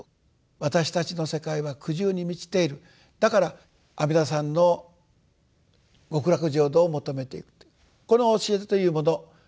私たちの世界は苦渋に満ちているだから阿弥陀さんの極楽浄土を求めていくとこの教えというもの